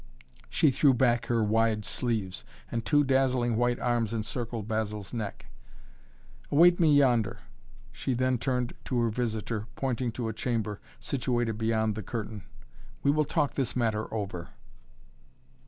She threw back her wide sleeves and two dazzling white arms encircled Basil's neck. "Await me yonder," she then turned to her visitor, pointing to a chamber situated beyond the curtain. "We will talk this matter over!"